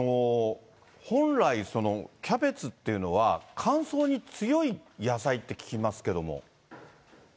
本来、キャベツっていうのは、乾燥に強い野菜って聞きますけども。